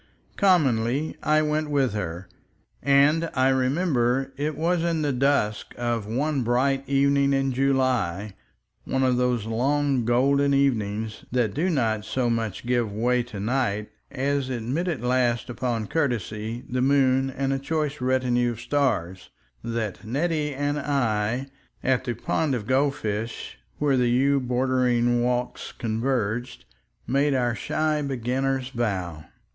Commonly I went with her. And I remember it was in the dusk of one bright evening in July, one of those long golden evenings that do not so much give way to night as admit at last, upon courtesy, the moon and a choice retinue of stars, that Nettie and I, at the pond of goldfish where the yew bordered walks converged, made our shy beginners' vow.